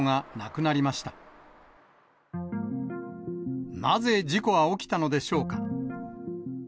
なぜ事故は起きたのでしょうか。